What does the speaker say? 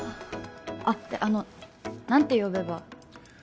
あっあの何て呼べば？